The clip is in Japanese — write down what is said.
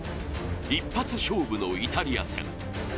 一発勝負のイタリア戦。